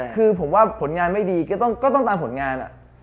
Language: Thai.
คือผมว่าผลงานไม่ดีก็ต้องตามผลงาน